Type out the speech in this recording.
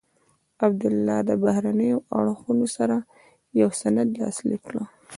عبدالله له بهرنیو اړخونو سره یو سند لاسلیک کړ.